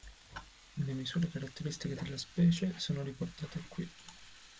Le misure caratteristiche della specie sono riportate qui.